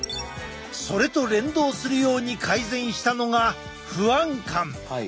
それと連動するように改善したのが不安感。